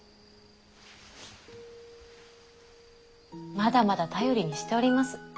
まだまだ頼りにしております。